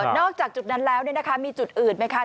จากจุดนั้นแล้วมีจุดอื่นไหมคะ